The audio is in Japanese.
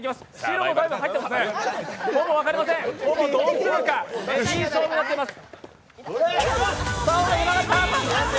ほぼ同数か、いい勝負になってます。